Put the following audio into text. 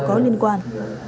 có liên quan